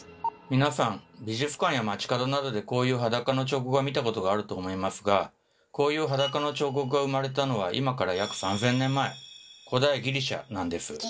美術館や街角などでこういう裸の彫刻を見たことがあると思いますがこういう裸の彫刻が生まれたのは今から約３，０００年前古代ギリシャなんです。